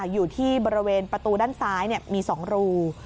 อยู่ที่บริเวณประตูด้านซ้ายมี๒รู